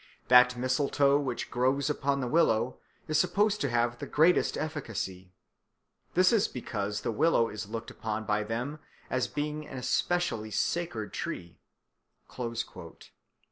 That mistletoe which grows upon the willow is supposed to have the greatest efficacy. This is because the willow is looked upon by them as being an especially sacred tree."